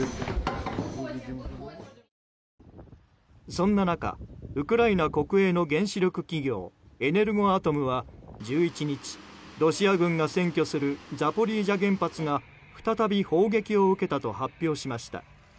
そんな中、ウクライナ国営の原子力企業エネルゴアトムは１１日、ロシア軍が占拠するザポリージャ原発が再び砲撃を受けたと発表しました。